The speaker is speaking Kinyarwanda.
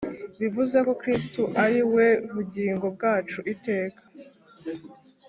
bivuze ko kristu ari we bugingo bwacu iteka